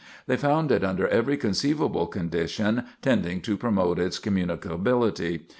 They found it under every conceivable condition tending to promote its communicability.